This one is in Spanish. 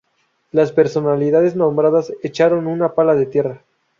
Las personalidades nombradas echaron una pala de tierra.